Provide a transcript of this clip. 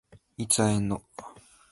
いつ会えんの？